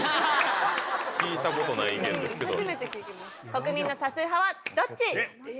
国民の多数派はどっち？